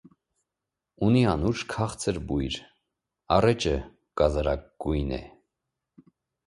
Ունի անուշ, քաղցր բույր, առէջը գազարագույն է։